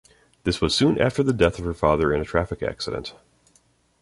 This was soon after the death of her father in a traffic accident.